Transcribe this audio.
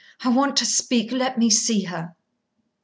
"I want to speak. Let me see her." Dr.